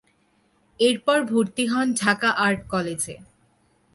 এরপর ভর্তি হন ঢাকা আর্ট কলেজে।